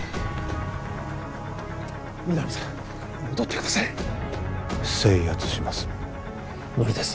皆実さん戻ってください制圧します無理です